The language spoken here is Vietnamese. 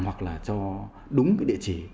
hoặc là cho đúng cái địa chỉ